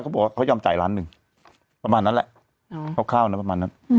เขาบอกว่าเขายอมจ่ายล้านหนึ่งประมาณนั้นแหละคร่าวนะประมาณนั้น